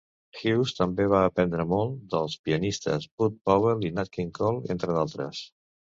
Hawes també va aprendre molt dels pianistes Bud Powell i Nat King Cole, entre d"altres.